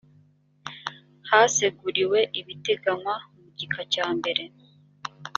haseguriwe ibiteganywa mu gika cya mbere